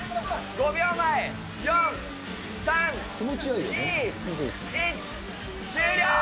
５秒前、４、３、２、１、終了。